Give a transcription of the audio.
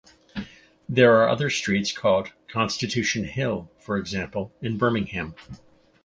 There are other streets called 'Constitution Hill', for example in Birmingham.